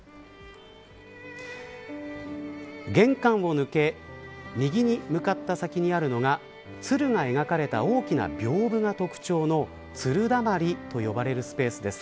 玄関を抜け右に向かった先にあるのが鶴が描かれた大きな屏風が特徴の鶴溜りと呼ばれるスペースです。